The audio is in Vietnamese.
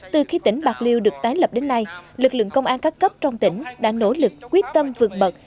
từ khi tỉnh bạc liêu được tái lập đến nay lực lượng công an các cấp trong tỉnh đã nỗ lực quyết tâm vượt bật